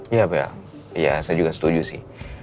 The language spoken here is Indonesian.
iya bel iya saya juga setuju sih